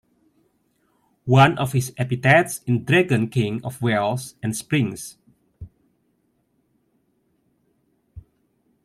One of his epithets is Dragon King of Wells and Springs.